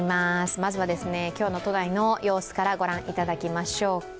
まずは今日の都内の様子からご覧いただきましょうか。